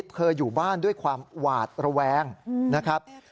เธออยู่บ้านด้วยความหวาดระแวงนะครับ